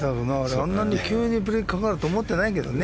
あんなに急にブレーキがかかると思ってないけどね。